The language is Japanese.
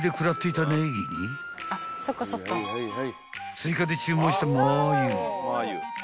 ［追加で注文したマー油］